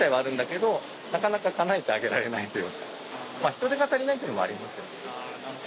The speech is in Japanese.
人手が足りないっていうのもありますけどね。